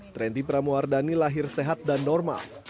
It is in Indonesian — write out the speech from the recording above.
trendi pramuardani lahir sehat dan normal